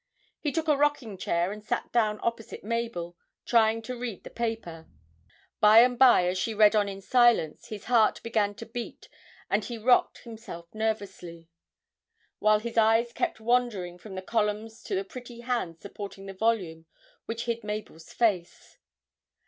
He took a rocking chair and sat down opposite Mabel, trying to read the paper; by and by, as she read on in silence, his heart began to beat and he rocked himself nervously, while his eyes kept wandering from the columns to the pretty hands supporting the volume which hid Mabel's face.